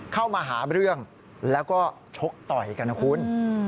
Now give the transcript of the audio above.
เข้ามาหาเรื่องแล้วก็ชกต่อยกันนะคุณ